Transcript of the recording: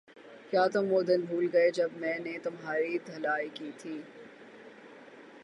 کیا تم وہ دن بھول گئے جب میں نے تمہاری دھلائی کی تھی